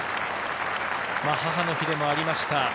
母の日でもありました。